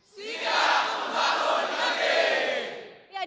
sia membangun lagi